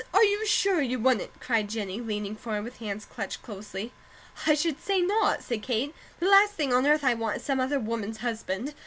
Are you sure you wouldn't?" cried Jennie, leaning forward with hands clutched closely. "I should say not!" said Kate. "The last thing on earth I want is some other woman's husband.